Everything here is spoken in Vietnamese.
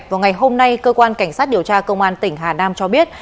vào ngày hôm nay cơ quan cảnh sát điều tra công an tỉnh hà nam cho biết